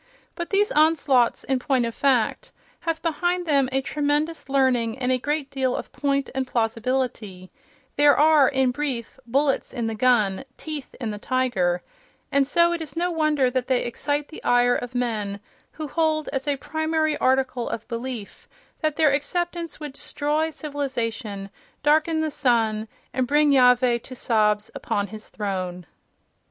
But these onslaughts, in point of fact, have behind them a tremendous learning and a great deal of point and plausibility—there are, in brief, bullets in the gun, teeth in the tiger,—and so it is no wonder that they excite the ire of men who hold, as a primary article of belief, that their acceptance would destroy civilization, darken the sun, and bring Jahveh to sobs upon His Throne.